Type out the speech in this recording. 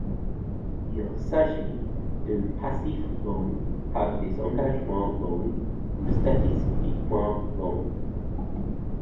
Il s’agit d’un passif long par des engagements longs ou statistiquement longs.